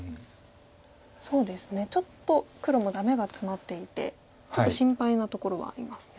そうですねちょっと黒もダメがツマっていてちょっと心配なところはありますね。